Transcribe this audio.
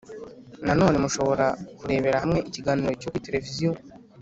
Nanone mushobora kurebera hamwe ikiganiro cyo kuri Televiziyo